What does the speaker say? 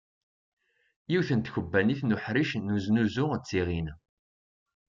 Yiwet n tkebannit n uḥric n uznuzu d tiɣin.